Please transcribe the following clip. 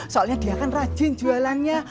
soalnya dia kan rajin jualannya